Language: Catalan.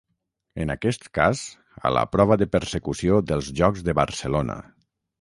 En aquest cas a la prova de Persecució dels Jocs de Barcelona.